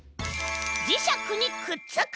じしゃくにくっつく！